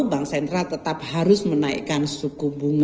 bank sentral tetap harus menaikkan suku bunga